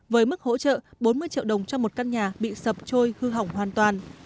với mức hỗ trợ bốn mươi triệu đồng cho một căn nhà bị sập trôi hư hỏng hoàn toàn